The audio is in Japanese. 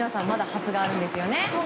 まだ初があるんですよね。